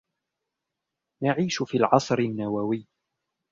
نعيش في العصر النووي.